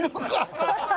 ハハハハ！